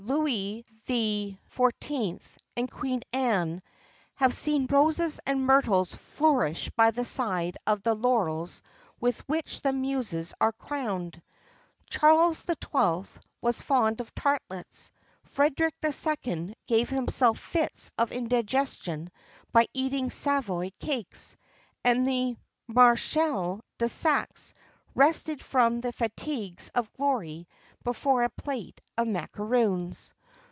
Louis XIV., and Queen Anne have seen roses and myrtles flourish by the side of the laurels with which the muses are crowned. Charles XII. was fond of tartlets; Frederic II. gave himself fits of indigestion by eating Savoy cakes; and the Maréchal de Saxe rested from the fatigues of glory before a plate of macaroons.